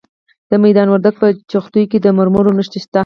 د میدان وردګو په جغتو کې د مرمرو نښې شته.